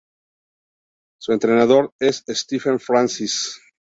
Su entrenador es Stephen Francis.